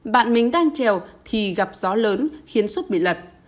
bạn mình đang trèo thì gặp gió lớn khiến sức bị lật